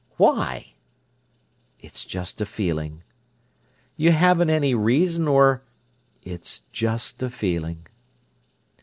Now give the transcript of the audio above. "Why?" "It's just a feeling." "You haven't any reason or—" "It's just a feeling."